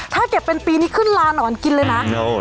ถ้าเก็บเป็นปีนี้ขึ้นลานอนกินเลยนะ